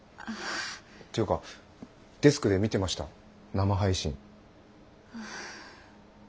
ていうかデスクで見てました生配信。